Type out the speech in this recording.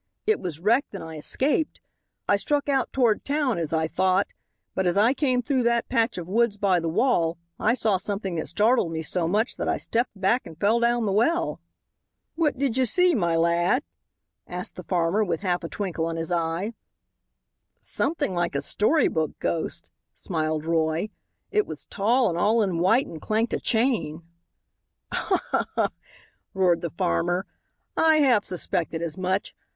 It was wrecked, and I escaped. I struck out toward town, as I thought, but as I came through that patch of woods by the wall I saw something that startled me so much that I stepped back and fell down the well." "What did you see, my lad?" asked the farmer with half a twinkle in his eye. "Something like a story book ghost," smiled Roy; "it was tall and all in white and clanked a chain." "Ha! ha! ha!" roared the farmer; "I half suspected as much.